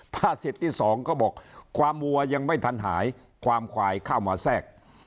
สิทธิ์ที่สองก็บอกความวัวยังไม่ทันหายความควายเข้ามาแทรก